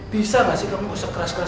bisa gak sih kamu usah keras keras